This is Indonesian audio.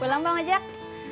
pulang bang ojak